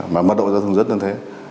mà mất đội giao thông rất là thế